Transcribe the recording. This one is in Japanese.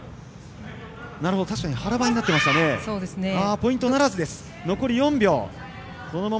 なるほど、確かに腹ばいになっていましたのでポイントならずです。